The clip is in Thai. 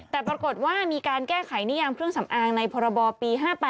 แต่ปรากฏว่ามีการแก้ไขนิยามเครื่องสำอางในพรบปี๕๘